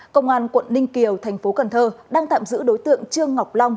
công an quận ninh kiều tp cn đang tạm giữ đối tượng trương ngọc long